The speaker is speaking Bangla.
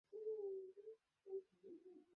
তিনি সেখানে বেশ কয়েক মাস কাজ করেছিলেন।